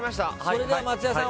それでは松也さん